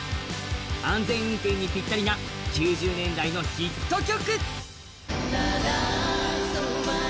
安全運転にぴったりな９０年代のヒット曲。